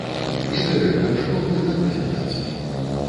І дырэктар школы на прэзентацыі.